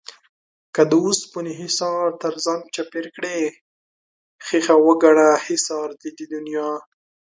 که د اوسپنو حِصار تر ځان چاپېر کړې ښيښه وگڼه حِصار د دې دنيا